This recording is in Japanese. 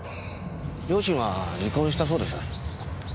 両親は離婚したそうです。